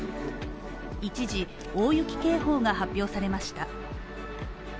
一時、大雪警報が発表されました。